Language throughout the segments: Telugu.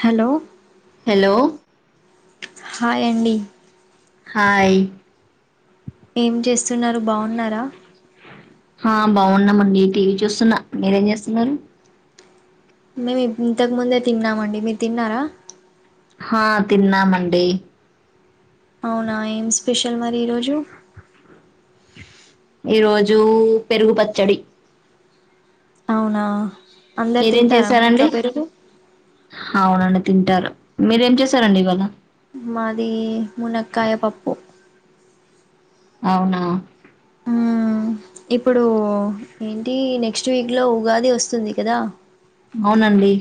హలో హలో హాయ్ అండి హాయ్ ఏం చేస్తున్నరు, బావున్నారా? హా బావున్నామండి టీవీ చూస్తున్నా, మీరేం జేస్తున్నరు? మేము ఇప్ ఇంతకు ముందే తిన్నామండి, మీరు తిన్నారా? హ తిన్నామండి అవునా ఏంస్ స్పెషల్ మరి ఈరోజు? ఈ రోజు పెరుగు పచ్చడి. అవునా అందరు మీరేం తింటారా మీ చేశారండి? ఇంట్లో పెరుగు అవునండి తింటారు మీరేం చేశారండి ఇవాళ? మాది మునక్కాయ పప్పు అవునా ఉమ్ ఇప్పుడు ఏంటి, నెక్స్ట్ వీక్ లో ఉగాది వస్తుంది కదా? అవునండి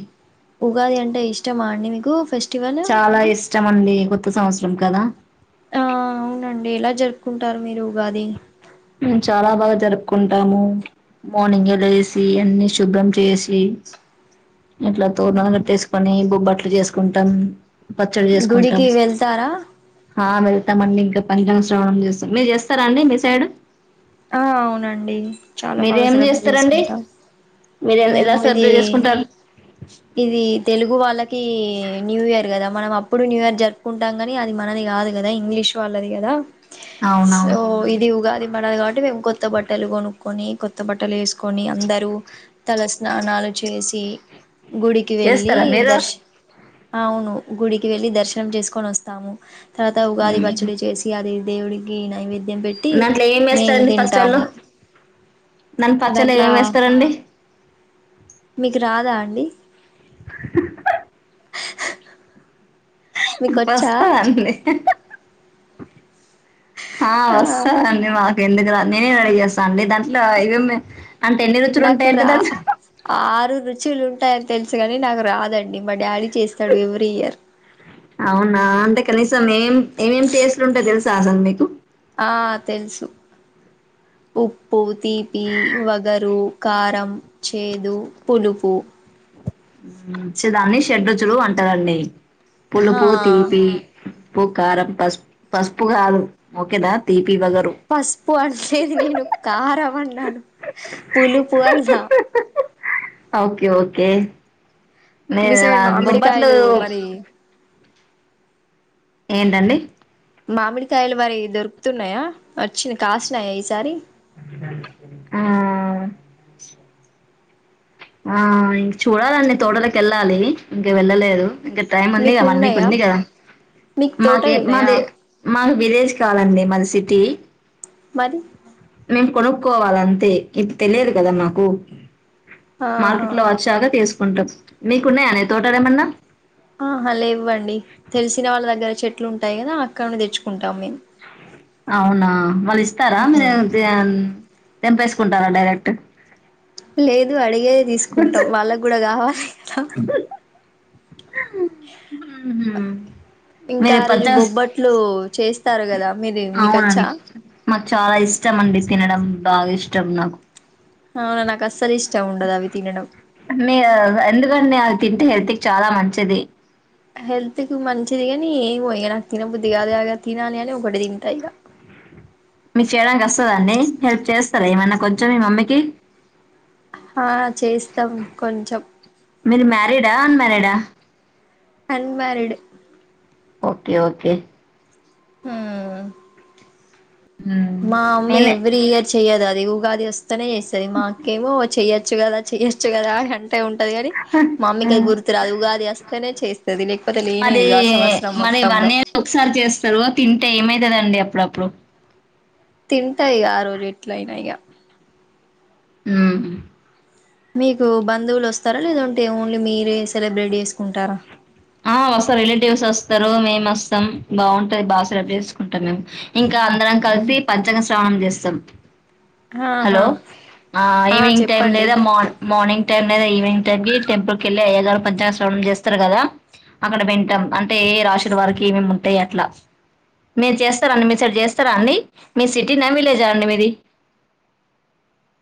ఉగాది అంటే ఇష్టమా అండి మీకు ఫెస్ చాలా ఇష్టం అండి కొత్త సంవత్స రం కదా ఆ అవునండి, ఎలా జరుపుకుంటారు మీరు ఉగాది? మేము చాలా బాగా జరుపుకుంటాము మార్నింగే లేసి అన్ని శుభ్రం చేసి ఇంట్ల తోర్నాలన్ గట్టేస్సుకొని బొబ్బట్ ట్లు చేసుకుంటమ్ గుడికి వెళ్తారా? తమండి ఇంగ పంచంగ శ్రావణం చేస్తం, మీరు చేస్తారాండి మీ సైడ్? ఆ అవునండి చాలా బాగా మీరేం సెలబ్రేట్ చేస్తారండి చేసుకుంటాం, మీరు మేము ఎలా ఇదీ సెలబ్రేట్ చేసుకుంటారు ఇది తెలుగు వాళ్ ళ్ళకి న్యూ ఇయర్ గదా మనం అప్పుడు న్యూ ఇయర్ జరుపుకుంటాం కని అది మనది కాదు కదా? ఇంగ్లీష్ వాళ్ళది కదా. సో అవునవును ఇది ఉగాది మనది కాబట్ మేం కొత్త బట్టలు గొనుకున్ కొని కొత్త బట్టలేసు కొని అందరూ తల స్నానాలు చేసి గుడికి వెళ్ళి చేస్తారా మీరు దర్శ్ అవును గుడికి వెళ్ళి దర్శనం చేసుకొనొస్తాము. తర్వత ఉగాది పచ్చడి చేసి అదీ దేవుడికి నైవేద్ ధ్యం పెట్టి మేము తడి పచ్చళ్ళు తింటాము దాని పచ్చళ్ళు దాంట్లో ఏమే వేస్తారండి మీకు రాదా అండి మీకొచ్చా బస్తా అండి హా ఆ వస్తాది అండి మాకు ఎందుకు రా నినే రేడీ చేస్తానండి దానికి నాకు ఉంటాయంటే రా దాంట్లో ఆరు రుచులు ఉంటాయని తెలుసు కాని నాకు రా దండి మా డాడీ చేస్తాడు ఎవ్రీ ఇయర్ అవునా అంటే కనీసం ఏం ఏమేం టేస్ట్ ఉంటాయి తెలుసు తాసం మీకు ఆ తెలుసు ఉప్పు తీపి వగరు కారం చేదు పులుపు ఊ దాన్ని షడ్రురుచులు అంటారు అండి హా పులుపు తీపి ప్పు కారం పసుపు పసుపు కాదు ఒకేనా తీపి వగరు పసుపు అనలేదు నేను కారం అం న్నాను పులుపు అన్న ఓకే ఓకే మీ సైడ్ బొబ్బట్లు మామిడికాయలు మరి ఏంటండి మామిడికాయలు మరి దొరుకుతున్నాయా వచ్చి కాసినయా ఈసారి ఆ ఆ ఇం చూడాలండి తోటలకి వెళ్ళాలి ఇంక వెళ్ళలేదు ఇంకా టైం ఉంది కదా మీకు ఉంది కదా మీకు మాకే తోటలు ఉన్నాయా మాది మాకు విలేజ్ కాదండి, మాది సిటీ మరీ మేము కొనుక్కోవాలంతే ఇది తెలియదు కదా మాకు ఆహా మార్కెట్ లో వచ్చాక తీసుకు కుంటాం మీకున్నాయానే తోటలు ఏమన్నా? ఆహా అట్లు ఉంటాయి కదా అక్కడ నుంచి తెచ్చుకుంటాం మేము అవునా వాళ్లు ఇస్తారా మీరు ఏమన్నా తీయన్ తెంపేసుకుంటారా డైరెక్ట్ లేదు అడిగే తీసుకుంటాం వాళ్లకి గూడా కావాలే [unintelligible] మ్మ్. ఇంకా మీరు ఆ పచ్చ రోజు బొబ్బట్లు చేస్తారు కదా మీరు మీకు అవునండి వచ్చా మాకు చాలా ఇష్టం అండి తినడం బాగా ఇష్టం నాకు. అవునా నాకు అస్సలు ఇష్టం ఉండదు అవి తినడం మీరు ఎందుకండి అవి తింటే హెల్త్ కి చాలా మంచిది. హెల్త్‌కు మంచిది గనీ ఏవో ఇగ నాకు తినబుద్ది గాదు గాద ఇగ తినాలని ఒకటి తింటా ఇగ. మీకు చేయడానికి వస్తదాండి హెల్ప్ చేస్తారా ఏమన్నా కొంచెం మీ మమ్మీకి. ఆహ్ చేస్తాం కొంచెం మీరు మ్యారిడా, అన్‌మ్యారిడా? అన్‌మ్యారిడ్. Okay okay. హ్మ్మ్ మ్మ్. మా అమ్మ నేనే ఎవ్రీ ఇయర్ చేయదది. ది ఉగాది వస్ స్తనే చేస్తాది మా అక్కెమో చెయ్యద్. వచ్చు గదా చేయచ్చు గదా అని అంటే ఉంటది గానీ మమ్మీకె గుర్తు రాదు ఉగాది వస్తేనే చేస్తాది. లేకపోతే లేని మరి లేదు ఆ సంవత్సరం మరి మొత్తంలో. తింటదండి, అప్పుడప్పుడూ. తింటా ఇగా ఆ రోజు ఎట్లైన ఇగ. మ్మ్మ్ మీకు బంధువులు వస్తారా? లేదంటే ఓన్లీ మీరే సెలబ్రేట్ చేసుకుంటారా? ఆహ్ వస్తారు రిలేటివ్స్ వస్తరు మేం వస్తం బావుంటంది బా సెలబ్రేట్ చేస్కుంటాం మేము. ఇంకా అందరం కల్సి పచ్చగా తాం జేస్సాం హలో ఆహా ఆహ్ ఆ ఈవినింగ్ టైం చెప్పండి లేదా మా మార్నింగ్ టైం లేదా ఈవినింగ్ టైం కి టెంపుల్ కేళ్ళి అయ్యగారు పంచాంగశ్రవణం జేస్తారు గదా. అక్కడ వింటాం అంటే ఏ ఏ రాసులు వారికి ఏమేమ్ ముంటాయ్ అట్ల మీరు చేస్తారా అండి మీ సర్ జేస్తారా అండి మీ సిటీనా విలేజా అండి మీది.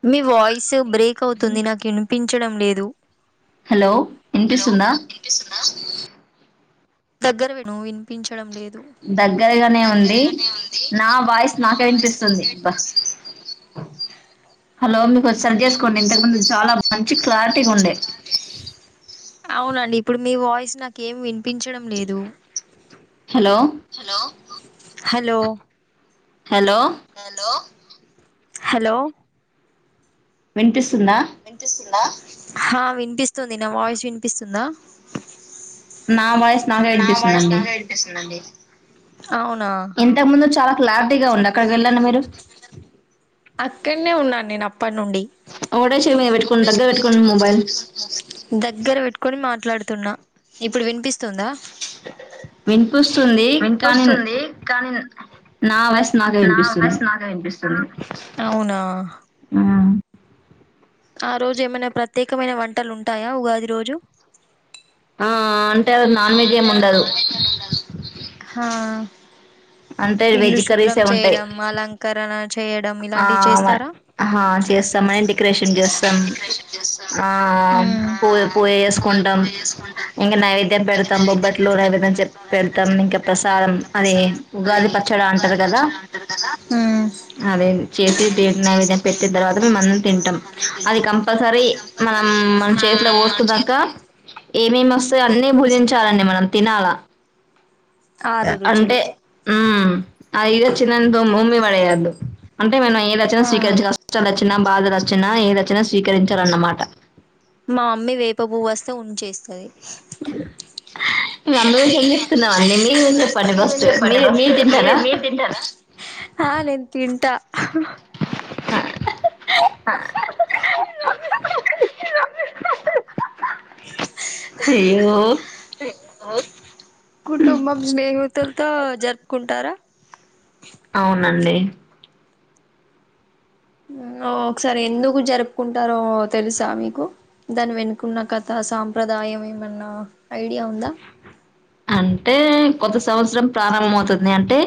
మీ వాయి స్ బ్రేక్ అవుతుంది నాకు ఇనిపిం చ్చడం లేదు హలో హలో ఇనిపిస్తుందా వినిపిస్తుందా దగ్గర విను వినిపించడం లేదు దగ్గరగానే ఉంది నా వాయిస్ నాకే వినిపిస్తుంది అబ్బ హలో మీ గొంతు సరి చేసుకోండి ఇంతకు ముందు చాలా మంచి క్లారిటీగ ఉండే. అవునండి ఇప్పుడు మీ వాయిస్ నాక్ ఏం విన్ పించడం లేదు hello hello. Hello hello hello hello వినిపిస్ వినిపిస్తుందా హ విని వినిపిస్ స్తుంది నా వాయిస్ వినిపిస్తుందా నా వాయిస్ నాకే నా వాయిస్ వినిపిస్తుందండి నాకే వినిపిస్తుందండి ఇంతకు ముందు చాలా క్లాార్టీగా ఉంది అక్కడికి వెళ్ళండి మీరు అక్కడనే ఉన్నాను నేను అప్పటి నుండి ఒకటే చెవి మీద పెట్టుకోండి దగ్గర పెట్టుకోండి మొబైల్ దగ్గర పెట్టుకొని మా మాట్లాడుతున్నా ఇప్పుడు వినిపిస్తుందా వినిపిస్తుంది కానీ నా వాస్ నా వాస్ నాకే వినిపిస్తుంది అవునా ఆ ఆ రోజు ఏమైనా ప్రత్యేకమైన వంటలు ఉంటాయా ఉగాది రోజు ఆ అంటే అ నాన్ వెజ్ ఏమి ఉండదు హా అంటే ఇల్లు వెజ్ శుభ్రం కర్రీసే ఉంటాయి చేయడం అలంకరణ చేయడం ఆ ఇలాంటివి చేస్తారా చేస్తాం డెకరేషన్ చేస్తాం ఆ ఆ పూ పూజ చేసుకుంటాం ఇంకా నైవేద్యం పెడతాం బొబ్బట్లు నైవేద్యం పెడతాం ఇంకా ప్రసాదం అది మరి ఉగాది పచ్చడి ఉగాది పచ్చడి అదే విదంగా అదే చేసి తిన విద పెట్టి తర్వాత మేమన్న తింటాం అది కంపల్సరీ మనం మన చేతిలో పోసుకున్నాక ఏమేమి వస్తాయో అన్న భుజించాలండి మనం తినాలా ఆరు రుచులు అంటే ఆ ఇగ చిన్నందు మమ్మి పయాను అంటే మేం ఏ చ్చినా హా. స్వీకరిు కష్టాలు వచ్చినా బాధలు వచ్చినా ఏ అచనా స్వీకరించాలన్నమాట మా అమ్మీ వేప పువ్ వస్తే ఉంచేస్తుది మ అమ్మయి గురికి ఏం చెప్తున్నామండి మీరు చెప్పండి ఫస్ట్ మీరు మీరు తింటారా నేను తింటా ఆ ఆ అ అయ్యో కుటుంబం స్నేహితులతో జరుపుకుంటారా అవునండి ఒకసారి ఎందుకు జరుపుకుంటారో తెలుసా మీకు దాని వెనుకున్న కథ సాంప్రదాయం ఏమన్నా ఐడియా ఉందా అంటే కొత్త సంవత్సరం ప్రారంభం అవుతుంది అంటే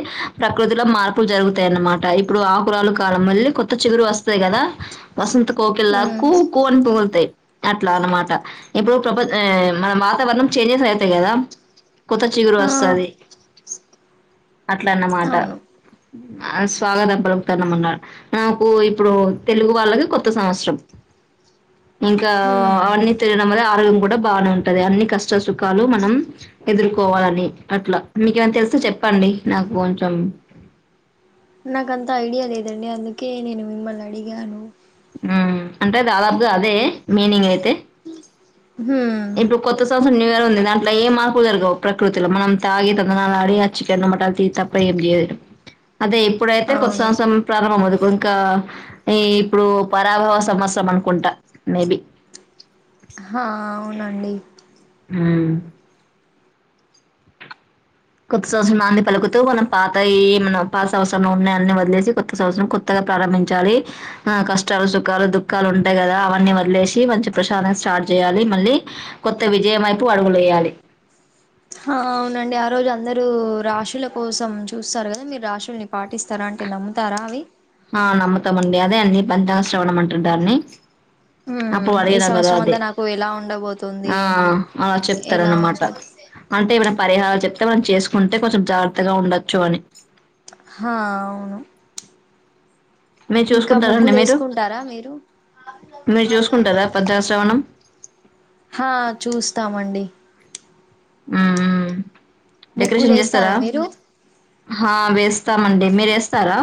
ప్రకృతిలో మార్పులు జరుగుతాయన్నమాట ఇప్పుడు ఆకురలు కాలం మళ్ళీ కొత్త చిగురు వస్తాయి కదా వసంత కోకెల్లా హ్మ్ కూ కు అనీ పగుల్తయి అట్లా అన్నమాట ఇప్పుడు ప్ర మన వాతావరణం చేంజెస్ అయితాయి కదా కొత్త చిగురు ఆ వస్తాది అట్లన్నమాట అవును ఆ స్వాగతం పలుకుతమన్నా నాకు ఇప్పుడు తెలుగు వాళ్ళకి కొత్త సంవత్సరం ఇంకా హ్మ్ అవన్నీ తెలిడం ఆరోగ్యం కూడా బానే ఉంటుది అన్ని కష్టాలు సు కాలు మనం ఎదుర్కోవాలని అట్లా మీకేమైనా తెలిస్తే చెప్పండి నాకు కొంచెం నాకంత ఐడియా లేదండి అందుకే నేను మిమ్మల్ని అడిగాను అంటే దాదాపుగా అదే మీనింగ్ అయితే హ ఇప్పుడు కొత్త న్యూ ఇయర్ ఉంది దాంట్లో ఏ మార్పులు జరగవు ప్రకృతిలో మనం తాగి తందనాలు ఆడి ఆ చ్చికెనుమటాన్లు తీనీ తప్ప ఏం చేయదు అదే ఇప్పుడైతే కొత్త అవును సంవత్సరం ప్రారంభవుదు ఇంకా ఈ ఇప్పుడు పరాభవ సంవత్సరం అనుకుంటా మేబి హా అవునండి హుం కొత్త సంవత్సరం నాంది పలుకుతూ మనం పాత ఏమ పాత సంవత్సరంలో ఉన్నాయి అన్ని వదిలేసి కొత్త సంవత్సరం కొత్తగా ప్రారంభించాలి ఆ కష్టాలు సుఖాలు దుఃఖాలు ఉంటాయి కదా అవన్నీ వదిలేసి మంచి ప్రశాంతంగా స్టార్ట్ చేయాలి మళ్ళీ కొత్త విజయం వైపు అడుగులు వేయాలి అవునండి ఆ రోజు అందరూ రాశుల కోసం చూస్తారు కదా మీరు రాశుల్ని పాటిస్తారా అంటే నమ్ముతారా అవి ఆ నమ్ముతామండి అదే అన్ని పంచా శ్రవణం అంటారు దాని హ్మ్ అప్పుడు ఈ అడిగినా కదా సంవత్సరం అదే అంతా నాకు ఎలా ఆ ఉండబోతుంది అలా చెప్తారు ఎలా అన్నమాట ఉంటది అంటే ఇవిడ పరిహారాలు చెప్తే మనం చేసుకుంటే కొంచెం జాగ్రత్తగా ఉండొచ్చు అని హా అవును మీరు ఇంకా చూసుకుంటారండి ముగ్గులు మీరు? వేసుకుంటారా మీరు మీరు చూసుకుంటారా పంచాంగ శ్రవణం? హా చూస్తాము అండి ఆ ముగ్గులు డెకరేషన్ చేస్తాద వేస్తారా మీరు ఆ వేస్తామండి మీరు వేస్తారా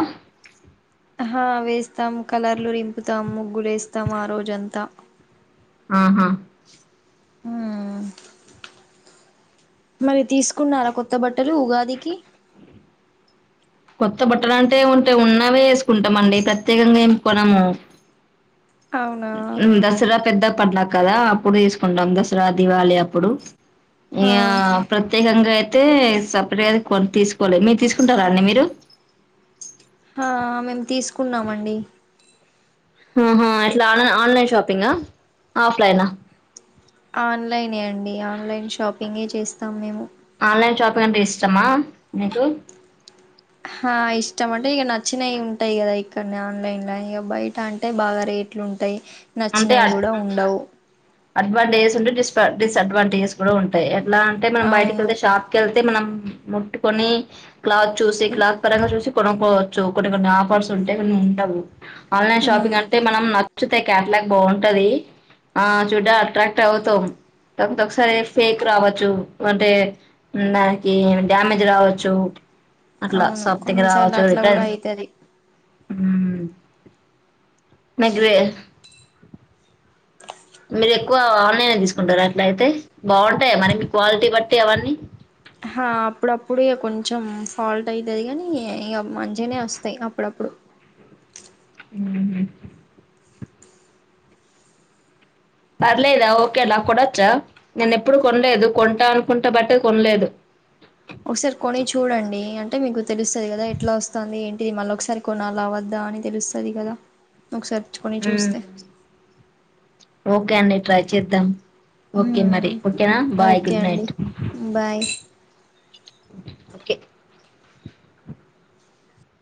ఆ వేస్తాం కలర్లు రింపుతాం ముగ్గులేస్తాం ఆ రోజంతా ఆహా మ్మ్ మరి తీసుకున్నారా కొత్త బట్టలు ఉగాదికి కొత్త బట్టలు అంటే ఉంటేయి ఉన్నావే వేసుకుంటామండి ప్రత్యేకంగా ఏం కొనము అవునా దసరా పెద్ద పడ్నా కదా అప్పుడు తీసుకుంటాం దసరా, దివాళి అప్పుడు ఆ ఇగ ప్రత్యేకంగా అయితే సపరేట్ అ కొ తీసుకోవాలి మీరు తీసుకుంటారా అండి మీరు ఆ మేము తీసుకున్నామండి హ హా అట్లా ఆన్లైన్ షాపింగ్ గ ఆఫ్లైన్ హా ఆన్లైనే అండి ఆన్లైన్ షాపింగే చేస్తాం మేము ఆన్లైన్ షాపింగ్ అంటే ఇష్టమా మీకు ఆ ఇష్టం అంటే ఇక నచ్చినవి ఉంటాయి కదా ఇక్కడ ఆన్లైన్ లో ఇక బయట అంటే బాగా రేట్లు ఉంటాయి అంటే నచ్చినవి కూడా ఉండవు అడ్వాంటేజెస్ ఉంటే డి డిసఅడ్వాంటేజెస్ కూడా ఉంటాయి ఎలా అంట మనం బయటకి అవును వెళ్తే షాప్కి వెళ్తే మనం ముట్టుకొని క్లాత్ చూసి క్లాత్ పరంగా చూసి కొనుక్కోవచ్చు కొన్ని కొన్ని ఆఫర్స్ ఉంటే కొన్ని ఉంటావు ఆన్లైన్ ఉమ్ షాపింగ్ అంటే మనం ఉ కేయాటలాగ్ బాగుంటది ఆ చూడ అట్రాక్ట్ అవుతాం ఒకసారి ఫేక్ రావచ్చు అంటే దానికి డ్యామేజ్ రావచ్చు అట్లా అవును సంథింగ్ కొన్నిసార్లు అట్లా కూడా అయితది ఉ నాకు ప అ మీరు ఎక్కువ ఆన్లైన్ తీసుకుంటారా అట్లా అయితే బాగుంటాయా మరి మీ క్వాలిటీ బట్టి అవన్నీ ఆ అప్పుడప్పుడు ఇక కొంచెం ఫాల్ట్ అవుతుది కానీ ఇక మంచిగానే వస్తాయి అప్పుడప్పుడు ఉ పర్లేదా ఓకేలా కొడొచ్చా నేను ఎప్పుడు కొనలేదు కొంటా అనుకుంటా బట్ కొనలేదు ఒకసారి కొని చూడండి అంటే మీకు తెలుస్తది కదా ఎట్లా వస్తాంది ఏంటి ఇది మళ్ళ ఒకసారి కొనాల వద్దా అని తెలుస్తది కదా ఒక సారి కొని మ్మ్ చూస్తే ఓకే అండి ట్రై చేద్దాం ఓకే ఉమ్ మరి ఓకేనా బాయ్ ఓకే గుడ్ అండి నైట్ బాయ్ ఓకే